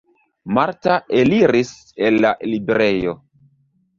Marta eliris el la librejo.